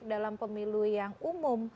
dalam pemilu yang umum